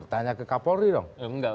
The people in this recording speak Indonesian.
tanya ke kapolri dong